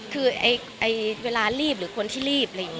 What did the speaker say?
คือเวลารีบหรือคนที่รีบ